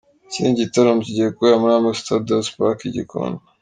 Ikindi gitaramo kigiye kubera muri Ambassador's Park i Gikondo.